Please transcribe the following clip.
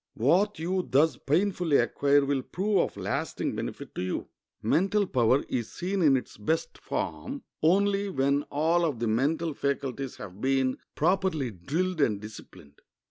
What you thus painfully acquire will prove of lasting benefit to you. Mental power is seen in its best form only when all of the mental faculties have been properly drilled and disciplined.